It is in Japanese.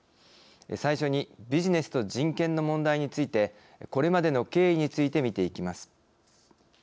最初にビジネスと人権の問題についてこれまでの経緯について見ていきます。